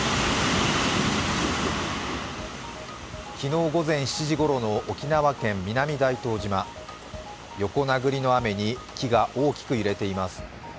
昨日午前７時ごろの沖縄県南大東島横殴りの雨に木が大きく揺れています。